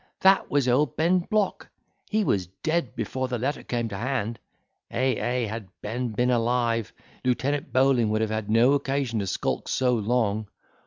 that was old Ben Block; he was dead before the letter came to hand. Ey, ey, had Ben been alive, Lieutenant Bowling would have had no occasion to skulk so long.